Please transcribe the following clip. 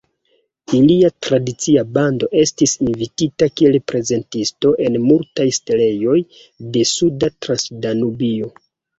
Ilia "tradicia bando" estis invitita kiel prezentisto en multaj setlejoj de Suda Transdanubio.